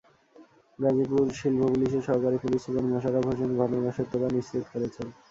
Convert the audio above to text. গাজীপুর শিল্প পুলিশের সহকারী পুলিশ সুপার মোশাররফ হোসেন ঘটনার সত্যতা নিশ্চিত করেছেন।